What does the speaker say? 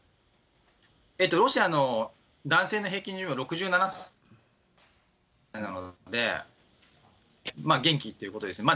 ロシアの男性の平均寿命、６７歳なので、元気ということですね。